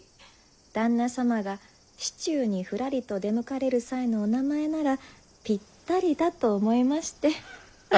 旦那様が市中にふらりと出向かれる際のお名前ならぴったりだと思いまして。